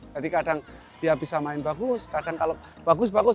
jadi kadang dia bisa main bagus kadang kalau bagus bagus